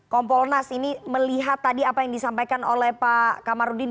kompolnas ini melihat tadi apa yang disampaikan oleh pak kamarudin